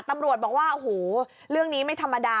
ตำรวจบอกว่าโอ้โหเรื่องนี้ไม่ธรรมดา